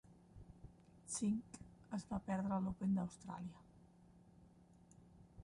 Czink es va perdre l'Open d'Austràlia.